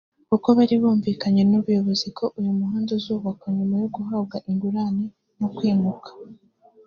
kuko bari bumvikanye n’ubuyobozi ko uyu muhanda uzubakwa nyuma yo guhabwa ingurane no kwimuka